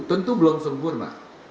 tentu belum sempurna